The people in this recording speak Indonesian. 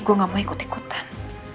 gue gak mau ikut ikutan